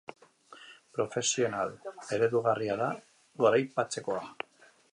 Profesional eredugarria da, goraipatzekoa.